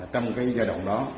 trong cái giai đoạn đó